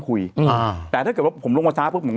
รูปเราจริง